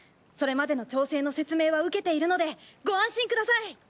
それまでの調整の説明は受けているのでご安心ください。